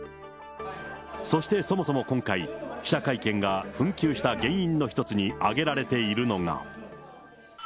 そしてそもそも今回、記者会見が紛糾した原因の一つに挙げられているのが。